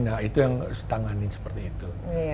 nah itu yang harus ditanganin seperti itu